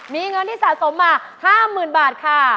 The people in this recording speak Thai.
มีเงินที่สะสมมา๕๐๐๐บาทค่ะ